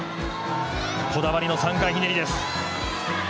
こだわりの３回ひねりです。